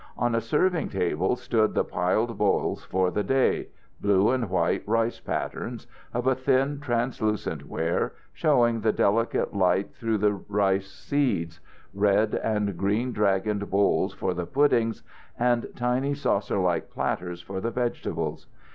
On a serving table stood the piled bowls for the day, blue and white rice patterns, of a thin, translucent ware, showing the delicate light through the rice seeds; red and green dragoned bowls for the puddings; and tiny saucer like platters for the vegetables.